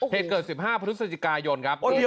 เหตุเกิด๑๕พฤศจิกายนครับ